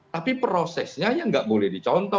tapi prosesnya ya nggak boleh dicontoh